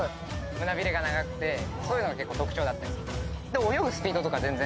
胸びれが長くてそういうのが特徴だったりする。